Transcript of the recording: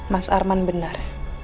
mas arman benar